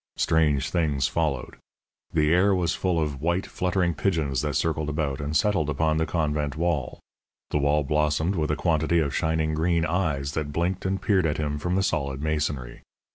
Strange things followed. The air was full of white, fluttering pigeons that circled about, and settled upon the convent wall. The wall blossomed with a quantity of shining green eyes that blinked and peered at him from the solid masonry.